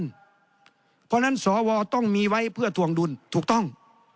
เพราะฉะนั้นสวต้องมีไว้เพื่อถวงดุลถูกต้อง